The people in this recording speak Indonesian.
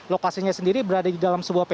lokasinya sendiri berada di dalam sebuah pl